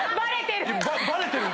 バレてる！